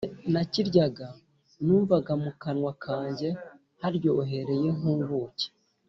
Igihe nakiryaga numvaga mu kanwa kanjye haryohereye nk’ubuki